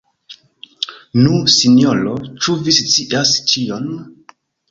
Nu, sinjoro, ĉu vi scias ĉion?